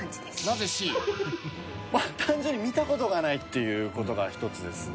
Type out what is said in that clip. まあ単純に見た事がないっていう事が１つですね。